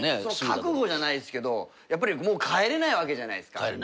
その覚悟じゃないですけどやっぱりもう帰れないわけじゃないですか。